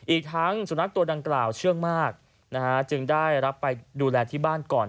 อีกทั้งสุนัขตัวดังกล่าวเชื่องมากจึงได้รับไปดูแลที่บ้านก่อน